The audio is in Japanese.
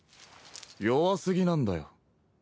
弱すぎなんだよ。